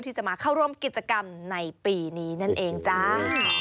ที่จะมาเข้าร่วมกิจกรรมในปีนี้นั่นเองจ้า